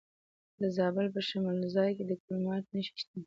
د زابل په شمولزای کې د کرومایټ نښې شته.